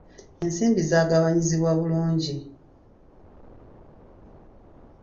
Ensimbi zaagabanyizibwa bulungi.